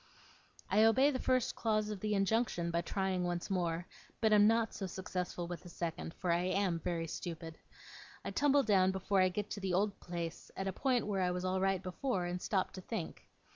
I obey the first clause of the injunction by trying once more, but am not so successful with the second, for I am very stupid. I tumble down before I get to the old place, at a point where I was all right before, and stop to think.